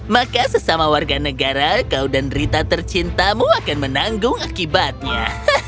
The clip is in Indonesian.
maka sesama warga negara kau dan rita tercintamu akan menanggung akibatnya